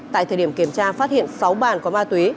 tại thời điểm kiểm tra phát hiện sáu bàn có ma túy